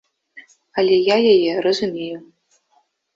Але я яе разумею.